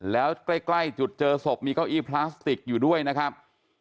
แล้วใกล้จุดเจอศพมีเก้าอี้พลาสติกอยู่ด้วยนะครับ